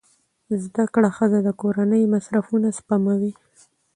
زده کړه ښځه د کورنۍ مصرفونه سموي.